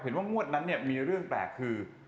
เห็นว่างวดนั้นมีเรื่องแปลกคือ